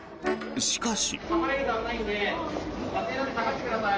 しかし。